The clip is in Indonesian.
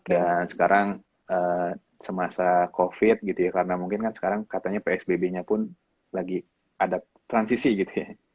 dan sekarang semasa covid gitu ya karena mungkin kan sekarang katanya psbb nya pun lagi adapt transisi gitu ya